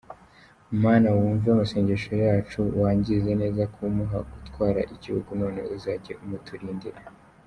Mana wuve amasegesho yacu, wanjyize neza kumuha gutwara igihugu none uzanjye umuturindira.